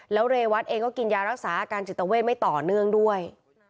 แล้วเรวัตเองก็กินยารักษาอาการจิตเวทไม่ต่อเนื่องด้วย